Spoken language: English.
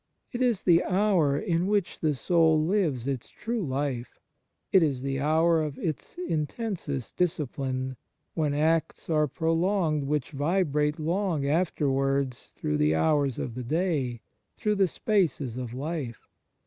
"It is the hour in which the soul lives its true life. ... It is the hour of its intensest discipline, when acts are produced which vibrate long afterwards through the hours of the day, through the spaces of life.